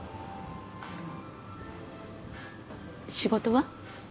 仕事は？